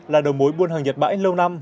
là đầu mối buôn hàng nhật bãi lâu năm